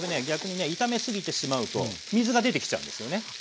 逆にね炒めすぎてしまうと水が出てきちゃうんですよね。